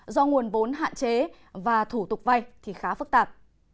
do nguồn vốn hạn chế và thủ tục vay thì khá phức tạp